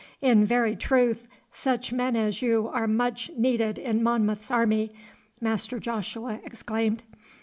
'In very truth, such men as you are much needed in Monmouth's army,' Master Joshua exclaimed.